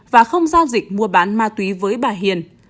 và không giao dịch mua bán ma túy với bà hiền